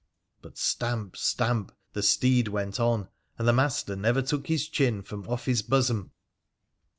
But stamp — stamp ! the steed went on ; and the master never took his chin from off his bosom